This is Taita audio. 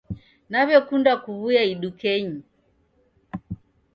Nawe'kunda kuw'uya idukenyi.